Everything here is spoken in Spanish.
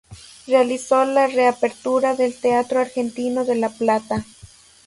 Realizó la reapertura del Teatro Argentino de La Plata.